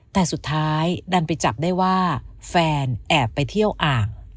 แต่สุดท้ายดันไปจับได้ว่าแฟนแอบไปเที่ยวอ่าง